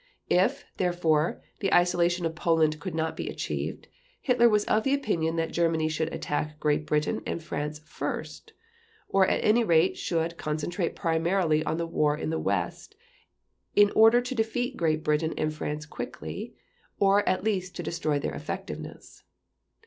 If, therefore, the isolation of Poland could not be achieved, Hitler was of the opinion that Germany should attack Great Britain and France first, or at any rate should concentrate primarily on the war in the West, in order to defeat Great Britain and France quickly, or at least to destroy their effectiveness.